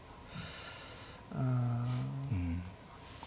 うん。